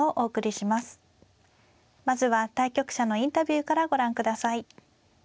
まずは対局者のインタビューからご覧ください。